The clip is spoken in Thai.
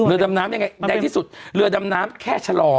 ดำน้ำยังไงในที่สุดเรือดำน้ำแค่ชะลอ